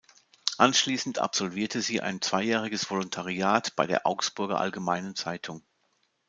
Anschließend absolvierte sie ein zweijähriges Volontariat bei der "Augsburger Allgemeinen Zeitung".